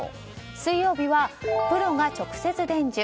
水曜日はプロが直接伝授